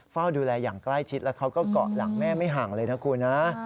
เฝ้าดูแลอย่างใกล้ชิดแล้วเขาก็เกาะหลังแม่ไม่ห่างเลยนะคุณนะ